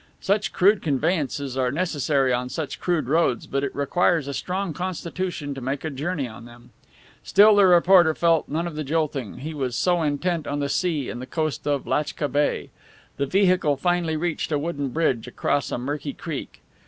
Such crude conveyances are necessary on such crude roads, but it requires a strong constitution to make a journey on them. Still, the reporter felt none of the jolting, he was so intent on the sea and the coast of Lachtka Bay. The vehicle finally reached a wooden bridge, across a murky creek.